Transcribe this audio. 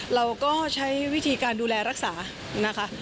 เราก็ใช้วิธีการดูแลรักษานะคะ